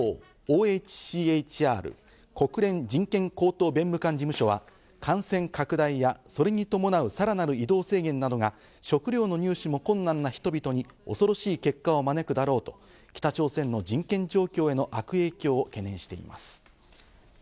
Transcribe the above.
一方、ＯＨＣＨＲ＝国連人権高等弁務官事務所は感染拡大や、それに伴うさらなる移動制限などが食料の入手も困難な人々に恐ろしい結果を招くだろうと北朝鮮の人権状況への悪影響を懸念しています。